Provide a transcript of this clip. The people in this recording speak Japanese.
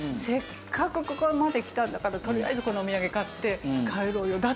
せっかくここまで来たんだからとりあえずこのお土産買って帰ろうよ。